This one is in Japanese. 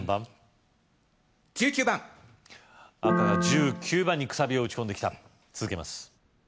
１９番赤が１９番にくさびを打ち込んできた続けます